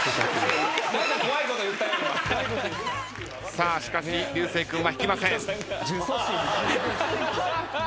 さあしかし流星君は引きません。